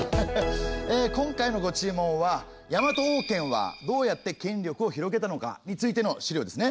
今回のご注文は「ヤマト王権はどうやって権力を広げたのか？」についての資料ですね。